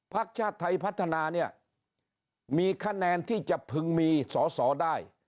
พักชาติไทยพัฒนาเนี่ยมีคะแนนที่จะพึงมีสอสอได้